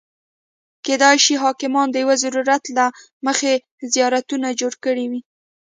کېدای شي حاکمانو د یو ضرورت له مخې زیارتونه جوړ کړي وي.